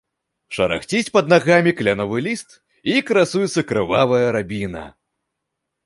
Шарахціць пад нагамі кляновы ліст, і красуецца крывавая рабіна.